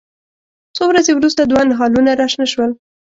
څو ورځې وروسته دوه نهالونه راشنه شول.